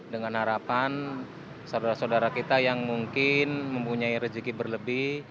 dengan harapan saudara saudara kita yang mungkin mempunyai rezeki berlebih